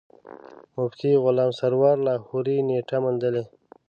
مفتي غلام سرور لاهوري نېټه موندلې.